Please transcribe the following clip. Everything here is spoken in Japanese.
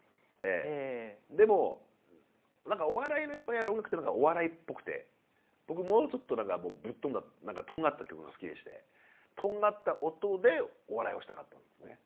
でも何かお笑いの人がやる音楽って何かお笑いっぽくて僕もうちょっとぶっ飛んだとんがった曲が好きでしてとんがった音でお笑いをしたかったんですね。